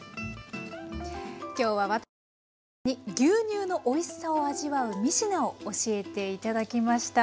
今日はワタナベマキさんに牛乳のおいしさを味わう３品を教えて頂きました。